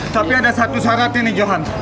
tapi ada satu syarat ini johan